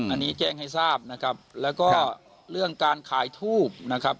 อันนี้แจ้งให้ทราบนะครับแล้วก็เรื่องการขายทูบนะครับ